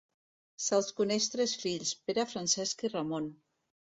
Se'ls coneixen tres fills Pere, Francesc i Ramon.